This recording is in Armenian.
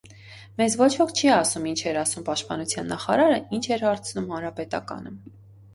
Մեզ ոչ ոք չի ասում՝ ինչ էր ասում պաշտպանության նախարարը, ինչ էր հարցնում հանրապետականը: